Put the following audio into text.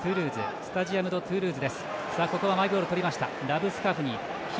スタジアム・ド・トゥールーズ。